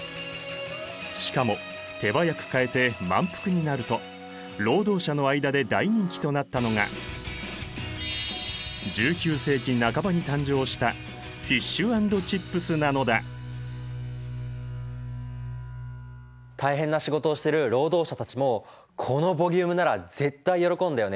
しかも手早く買えて満腹になると労働者の間で大人気となったのが１９世紀半ばに誕生した大変な仕事をしてる労働者たちもこのボリュームなら絶対喜んだよね。